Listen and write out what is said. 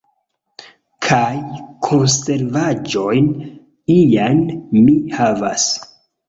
Kaj konservaĵojn iajn mi havas.